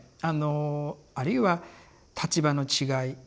あのあるいは立場の違い